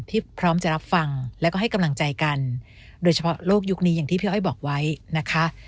พร้อมจะรับฟังแล้วก็ให้กำลังใจกันโดยเฉพาะโลกยุคนี้อย่างที่พี่อ้อยบอกไว้นะคะ